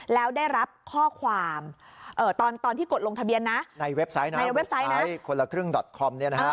แล้วได้รับข้อความตอนที่กดลงทะเบียนนะในเว็บไซต์นะในเว็บไซต์นะคนละครึ่งดอตคอมเนี่ยนะฮะ